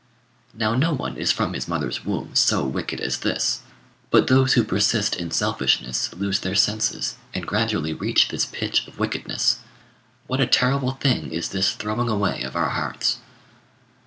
Now no one is from his mother's womb so wicked as this; but those who persist in selfishness lose their senses, and gradually reach this pitch of wickedness. What a terrible thing is this throwing away of our hearts!